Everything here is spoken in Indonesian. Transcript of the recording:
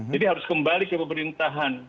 jadi harus kembali ke pemerintahan